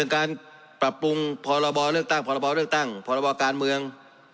การปรับปรุงพรบเลือกตั้งพรบเลือกตั้งพรบการเมือง